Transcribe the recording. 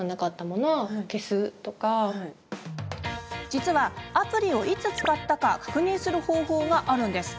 実は、アプリをいつ使ったか確認する方法があるんです。